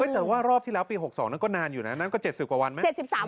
แต่ว่ารอบที่แล้วปี๖๒นั้นก็นานอยู่นะนั่นก็๗๐กว่าวันไหม